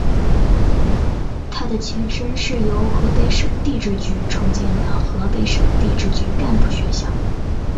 他的前身是由河北省地质局筹建的河北省地质局干部学校。